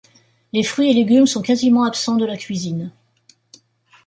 Les fruits et légumes sont quasiment absents de la cuisine.